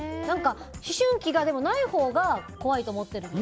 思春期がないほうが怖いと思っているので。